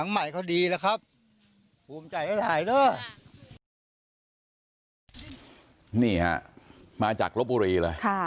นี่ค่ะมาจากรถบุรีเลยค่ะ